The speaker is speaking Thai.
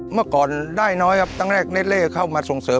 เมื่อก่อนได้น้อยครับตั้งแต่แรกเข้ามาส่งเสริม